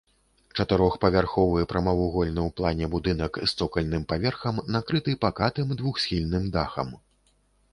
Чатырохпавярховы прамавугольны ў плане будынак з цокальным паверхам накрыты пакатым двухсхільным дахам.